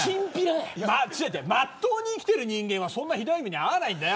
まっとうに生きてる人間はひどい目に遭わないんだよ。